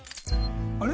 あれ？